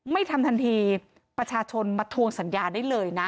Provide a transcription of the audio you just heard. ทำทันทีประชาชนมาทวงสัญญาได้เลยนะ